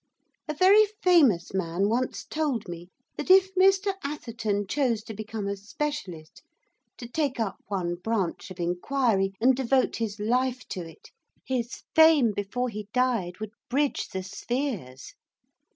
A very famous man once told me that if Mr Atherton chose to become a specialist, to take up one branch of inquiry, and devote his life to it, his fame, before he died, would bridge the spheres.